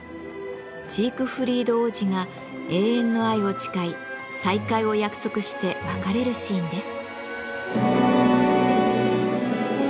ジークフリード王子が永遠の愛を誓い再会を約束して別れるシーンです。